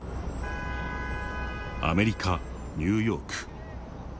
アメリカ・ニューヨーク。